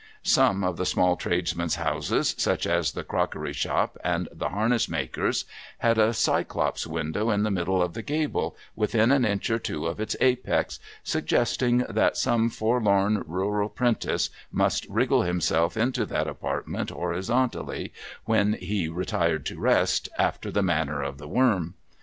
Some of the small tradesmen's houses, such as the crockery shop and the harness maker's, had a Cyclops window in the middle of the gable, within an inch or two of its apex, suggesting that some forlorn rural Prentice must wriggle himself into that apartment horizontally, when he retired to rest, after the manner of the worm.